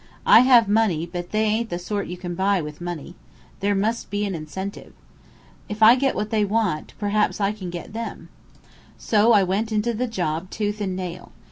I have money, but they ain't the sort you can buy with money. There must be an incentive. If I get what they want, perhaps I can get them.' So I went into the job tooth and nail.